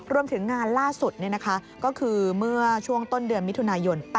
รวมถึงงานล่าสุดก็คือเมื่อช่วงต้นเดือนมิถุนายน